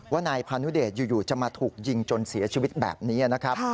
ว่านายพานุเดชอยู่จะมาถูกยิงจนเสียชีวิตแบบนี้นะครับ